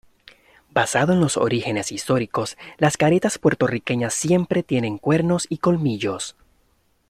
Basado en los orígenes históricos las caretas puertorriqueñas siempre tienen cuernos y colmillos.